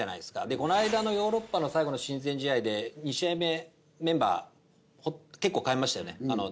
でこの間のヨーロッパの親善試合で２試合目メンバー替えましたよね。